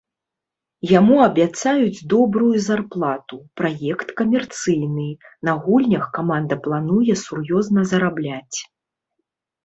Яму абяцаюць добрую зарплату: праект камерцыйны, на гульнях каманда плануе сур’ёзна зарабляць.